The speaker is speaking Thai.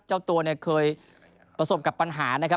เจ้าตัวเนี่ยเคยประสบกับปัญหานะครับ